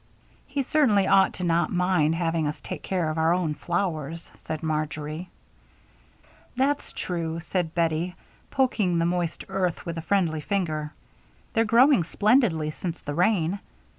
"He certainly ought not to mind having us take care of our own flowers," said Marjory. "That's true," said Bettie, poking the moist earth with a friendly finger. "They're growing splendidly since the rain.